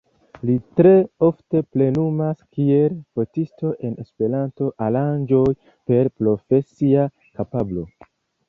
Li tre ofte plenumas kiel fotisto en Esperanto aranĝoj per profesia kapablo.